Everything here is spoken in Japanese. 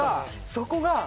そこが。